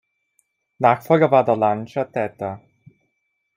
Nachfolger war der Lancia Theta.